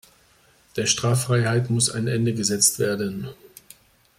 Der Straffreiheit muss ein Ende gesetzt werden.